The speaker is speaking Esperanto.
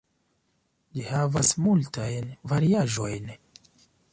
Ĝi havas multajn variaĵojn.